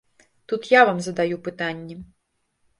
Тут я вам задаю пытанні.